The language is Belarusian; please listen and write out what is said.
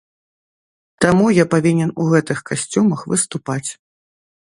Таму я павінен у гэтых касцюмах выступаць.